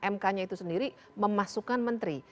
mk nya itu sendiri memasukkan menteri